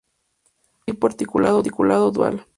Bus tipo articulado dual.